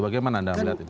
bagaimana anda melihat ini